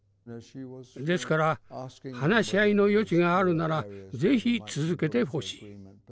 ですから話し合いの余地があるなら是非続けてほしい。